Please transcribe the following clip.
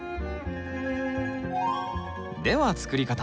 では作り方。